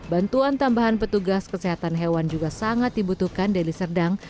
bantuan tambahan petugas kesehatan hewan juga sangat dibutuhkan deli serdang